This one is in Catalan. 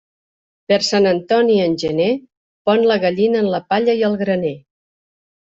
Per Sant Antoni en gener, pon la gallina en la palla i el graner.